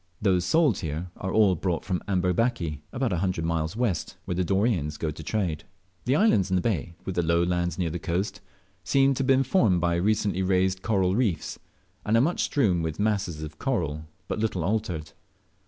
Those sold here are all brought from Amberbaki, about a hundred miles west, where the Doreyans go to trade. The islands in the bay, with the low lands near the coast, seem to have been formed by recently raised coral reef's, and are much strewn with masses of coral but little altered.